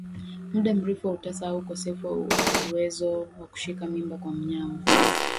Muda mrefu wa utasa au ukosefu wa uwezo wa kushika mimba kwa wanyama